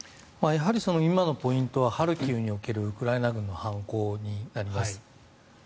やはり今のポイントはハルキウにおけるウクライナ軍の反攻になります。